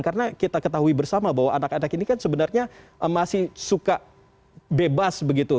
karena kita ketahui bersama bahwa anak anak ini kan sebenarnya masih suka bebas begitu